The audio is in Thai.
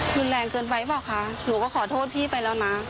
รุนแรงเกินไปเปล่าคะหนูก็ขอโทษพี่ไปแล้วนะ